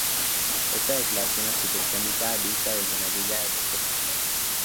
Esta declaración arquitectónica, vista desde la villa, es espectacular.